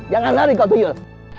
jangan lari kok tuyul